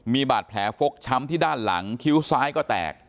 มีบาดแผลฟกช้ำที่ด้านหลังคิ้วซ้ายก็แตก